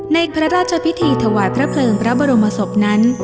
ในพระราชพิธีถวายพระเพลิงพระบรมศพนั้น